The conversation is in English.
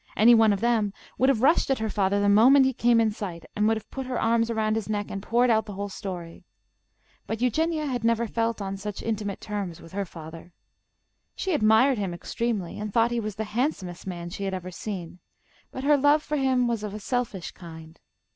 Any one of them would have rushed at her father the moment he came in sight, and would have put her arms around his neck and poured out the whole story. But Eugenia had never felt on such intimate terms with her father. She admired him extremely, and thought he was the handsomest man she had ever seen, but her love for him was of a selfish kind.